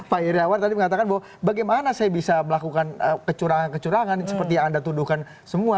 pak iryawan tadi mengatakan bahwa bagaimana saya bisa melakukan kecurangan kecurangan seperti yang anda tuduhkan semua